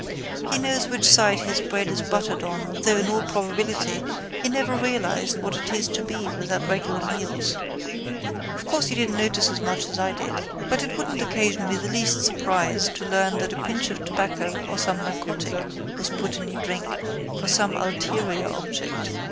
He knows which side his bread is buttered on though in all probability he never realised what it is to be without regular meals. Of course you didn't notice as much as I did. But it wouldn't occasion me the least surprise to learn that a pinch of tobacco or some narcotic was put in your drink for some ulterior object.